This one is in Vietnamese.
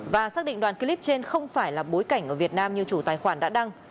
và xác định đoàn clip trên không phải là bối cảnh ở việt nam như chủ tài khoản đã đăng